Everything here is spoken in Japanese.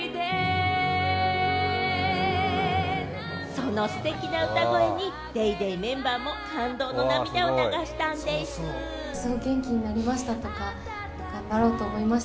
そのステキな歌声に、ＤａｙＤａｙ．メンバーも感動の涙を流したんでぃす。